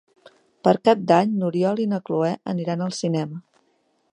Per Cap d'Any n'Oriol i na Cloè aniran al cinema.